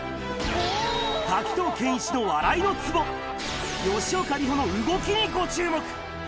滝藤賢一の笑いのツボ、吉岡里帆の動きにご注目。